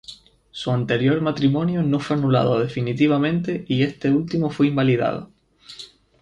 Su anterior matrimonio no fue anulado definitivamente y este último fue invalidado.